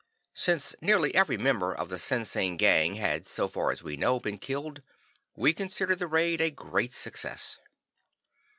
Since nearly every member of the Sinsing Gang had, so far as we knew, been killed, we considered the raid a great success.